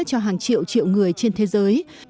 cho hàng triệu triệu người trên thế giới